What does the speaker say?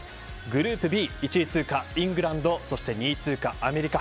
グループＢ１位通過はイングランドそして、２位通過はアメリカ。